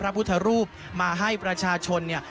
พระพุทธรูปมาให้ประชาชนเนี่ย